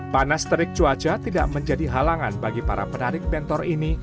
panas terik cuaca tidak menjadi halangan bagi para penarik bentor ini